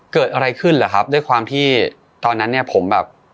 เกิดอะไรขึ้นเหรอครับด้วยความที่ตอนนั้นเนี่ยผมแบบ